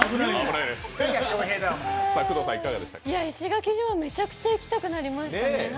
石垣島、めちゃくちゃ行きたくなりましたね。